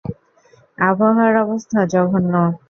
আবহাওয়ার অবস্থা জঘন্য!